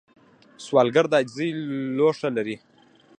سوالګر د عاجزۍ لوښه لري